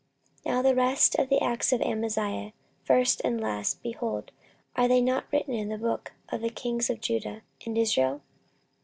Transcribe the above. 14:025:026 Now the rest of the acts of Amaziah, first and last, behold, are they not written in the book of the kings of Judah and Israel?